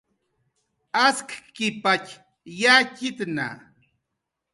Askkipatx yatxitna